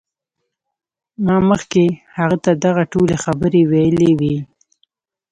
ما مخکې هغه ته دغه ټولې خبرې ویلې وې